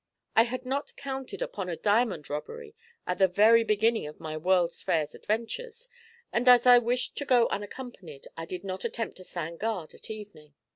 But I had not counted upon a diamond robbery at the very beginning of my World's Fair adventures, and as I wished to go unaccompanied, I did not attempt to stand guard at evening.